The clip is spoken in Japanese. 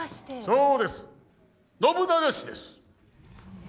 そうです信長氏です。